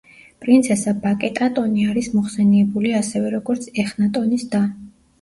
პრინცესა ბაკეტატონი არის მოხსენიებული ასევე, როგორც ეხნატონის და.